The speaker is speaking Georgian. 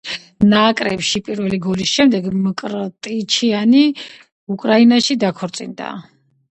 ნაკრებში პირველი გოლის შემდეგ მკრტიჩიანი უკრაინაში დაქორწინდა.